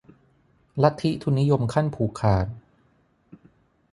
ลัทธิทุนนิยมขั้นผูกขาด